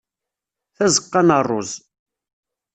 Tazeqqa n rruz.